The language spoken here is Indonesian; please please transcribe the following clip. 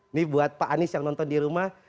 ini buat pak anies yang nonton di rumah